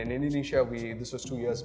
dan di indonesia ini adalah dua tahun lalu